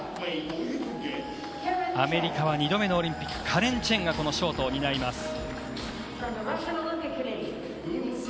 アメリカは２度目のオリンピックカレン・チェンがこのショートを担います。